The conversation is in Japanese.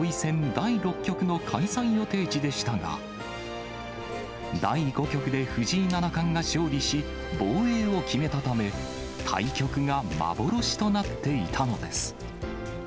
第６局の開催予定地でしたが、第５局で藤井七冠が勝利し、防衛を決めたため、対局が幻となっていたのです。